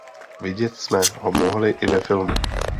Vidět jsme ho mohli i ve filmu.